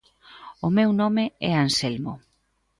O meu nome é Anselmo.